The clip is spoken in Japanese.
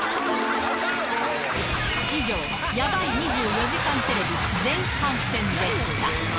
以上、やばい２４時間テレビ前半戦でした。